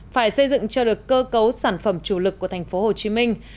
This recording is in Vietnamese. phải xây dựng cho được cơ cấu sản phẩm chủ lực của thành phố hồ chí minh